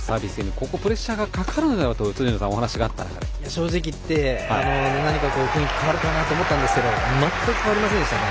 ここ、プレッシャーがかかるのではと正直言って何か雰囲気が変わるかなと思ったんですが全く変わりませんでしたね。